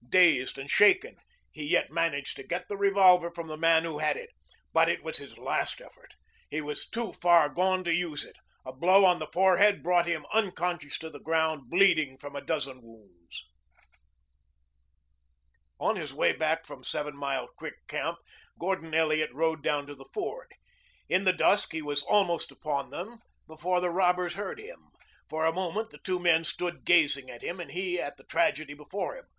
Dazed and shaken, he yet managed to get the revolver from the man who had it. But it was his last effort. He was too far gone to use it. A blow on the forehead brought him unconscious to the ground bleeding from a dozen wounds. On his way back from Seven Mile Creek Camp Gordon Elliot rode down to the ford. In the dusk he was almost upon them before the robbers heard him. For a moment the two men stood gazing at him and he at the tragedy before him.